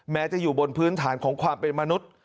แม้จะอยู่บนพื้นฐานของความเป็นมนุษย์